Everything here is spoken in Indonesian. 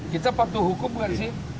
kita patuh hukum kan sih